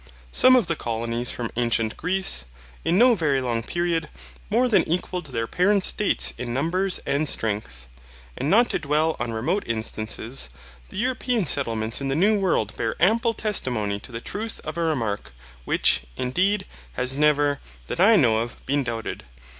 Some of the colonies from ancient Greece, in no very long period, more than equalled their parent states in numbers and strength. And not to dwell on remote instances, the European settlements in the new world bear ample testimony to the truth of a remark, which, indeed, has never, that I know of, been doubted.